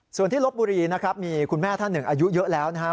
ส่วนที่ลบบุรีนะครับมีคุณแม่ท่านหนึ่งอายุเยอะแล้วนะครับ